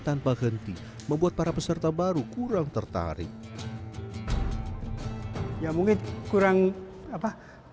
anak muda pengennya seperti apa